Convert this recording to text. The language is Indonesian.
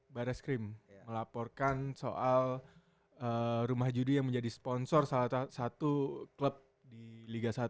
baris krim melaporkan soal rumah judi yang menjadi sponsor salah satu klub di liga satu